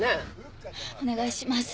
お願いします！